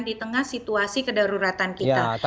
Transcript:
di tengah situasi kedaruratan kita